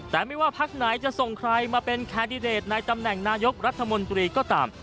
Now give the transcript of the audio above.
แต่ไม่ว่าพักไหนจะส่งใครมาเป็นแคนดิเดตในตำแหน่งนายกรัฐมนตรีก็ตาม